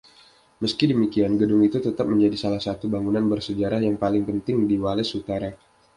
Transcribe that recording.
Meski demikian, gedung itu tetap menjadi salah satu bangunan bersejarah yang paling penting di Wales Utara.